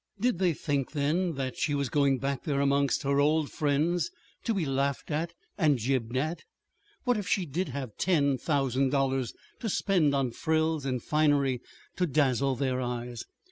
Did they think, then, that she was going back there among her old friends to be laughed at, and gibed at? What if she did have ten thousand dollars to spend on frills and finery to dazzle their eyes?